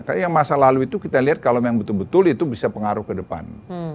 karena yang masa lalu itu kita lihat kalau yang betul betul itu bisa pengaruh ke depan